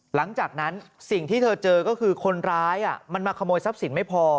หลังจากนั้นสิ่งที่เธอเจอก็คือคนร้ายมันมาขโมยทรัพย์สินไม่พอ